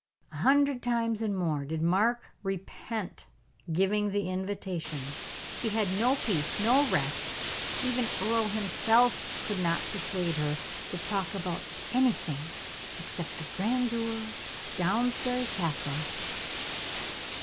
A hundred times and more did Mark repent giving the invitation; he had no peace, no rest; even Earle himself could not persuade her to talk about anything except the grandeur of Downsbury Castle.